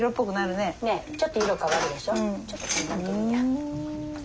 ねっちょっと色変わるでしょ。